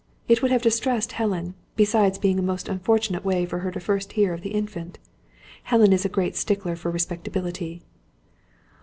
It would have distressed Helen, besides being a most unfortunate way for her to hear first of the Infant. Helen is a great stickler for respectability."